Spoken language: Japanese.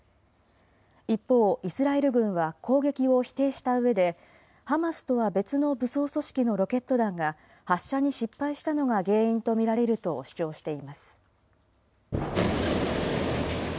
一方、イスラエル軍は攻撃を否定したうえで、ハマスとは別の武装組織のロケット弾が、発射に失敗したのが原因と見られると主張しています。